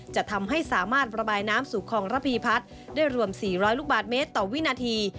จะทำให้สามารถระบายน้ำสู่คลองระพีพัฒน์ได้รวม๔๐๐ลูกบาทเมตรต่อวินาที